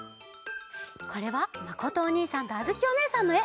これはまことおにいさんとあづきおねえさんのえ。